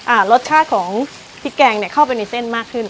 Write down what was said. รสชาติของพริกแกงเนี้ยเข้าไปในเส้นมากขึ้น